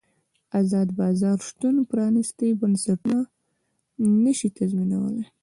ازاد بازار شتون پرانیستي بنسټونه نه شي تضمینولی.